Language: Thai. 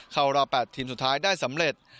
เข้ารอบ๘ทีมสุดท้ายได้สำเร็จ